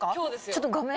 ちょっと画面。